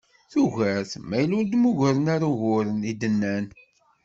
Tugart ma yella ur d-muggren ara uguren, i d-nnan.